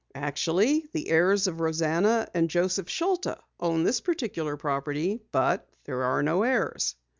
"Actually the heirs of Rosanna and Joseph Schulta own this particular property. But there are no heirs."